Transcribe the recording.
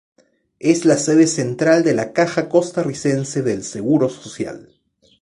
Es la sede central de la Caja Costarricense del Seguro Social.